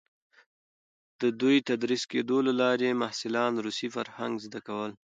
د دوی تدریس کېدو له لارې محصلان روسي فرهنګ زده کول.